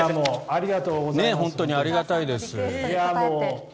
本当にありがたいです。